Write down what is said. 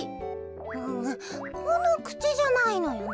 うんこのくちじゃないのよね。